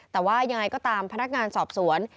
แต่ว่ายังไงก็ตามพนักงานสอบสวน